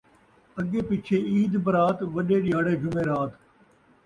اڳے پچھے عید برات، وݙے ݙیہاڑے جمعرات